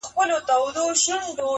چي په لاسونو كي رڼا وړي څوك.